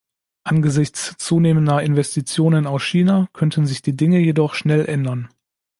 Angesichts zunehmender Investitionen aus China könnten sich die Dinge jedoch schnell ändern.